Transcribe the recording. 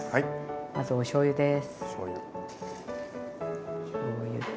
まずおしょうゆです。